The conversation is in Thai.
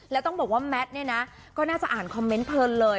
แล้วต้องบอกว่าแมทเนี่ยนะก็น่าจะอ่านคอมเมนต์เพลินเลย